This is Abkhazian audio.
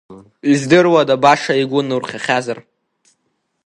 Издыруада, баша игәы нурхахьазар?